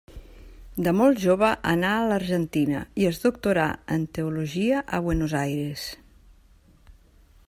De molt jove anà a l'Argentina i es doctorà en teologia a Buenos Aires.